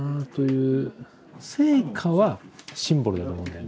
「聖火」はシンボルだと思うんだよ。